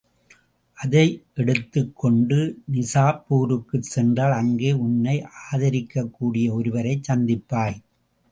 அதையெடுத்துக் கொண்டு நிஜாப்பூருக்குச் சென்றால், அங்கே உன்னை ஆதரிக்கக்கூடிய ஒருவரைச் சந்திப்பாய்.